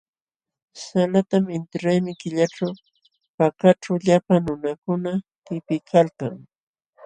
Salatam intiraymi killaćhu Pakaćhu llapa nunakuna tipiykalkan.